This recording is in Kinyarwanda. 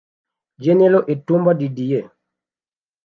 General Etumba Didier